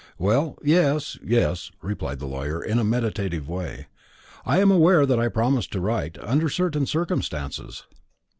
"Well, yes yes," replied the lawyer in a meditative way; "I am aware that I promised to write under certain circumstances."